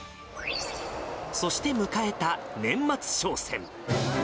そして迎えた年末商戦。